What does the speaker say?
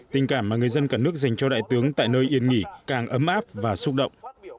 tình cảm mà người dân cả nước dành cho đại tướng tại nơi yên nghỉ càng ấm áp và xúc động